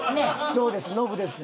そうですノブです。